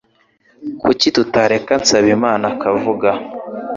Kuki tutareka tsabimana akavuga